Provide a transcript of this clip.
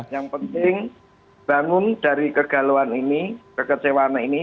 yang penting bangun dari kegalauan ini kekecewaan ini